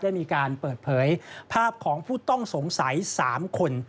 ได้มีการเปิดเผยภาพของผู้ต้องสงสัย๓คน